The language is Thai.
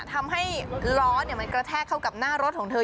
ทำให้ล้อมันกระแทกเข้ากับหน้ารถของเธอ